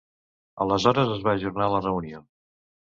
Aleshores, es va ajornar la reunió.